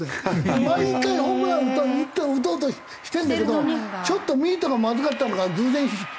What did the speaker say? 毎回ホームラン打とうとしてるんだけどちょっとミートがまずかったのか偶然ヒットになって。